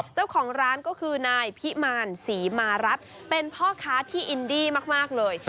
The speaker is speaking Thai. เจ้าของร้านก็คือนายพิมารศรีมารัฐเป็นพ่อค้าที่อินดี้มากเลย